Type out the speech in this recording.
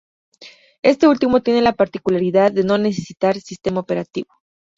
Este último tiene la particularidad de no necesitar sistema operativo.